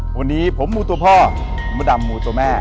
วันนี้ผมมูตัวพ่อมดดำมูตัวแม่